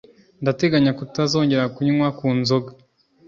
Ndateganya kutazongera kunywa ku nzoga.